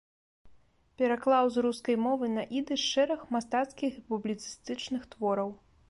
Пераклаў з рускай мовы на ідыш шэраг мастацкіх і публіцыстычных твораў.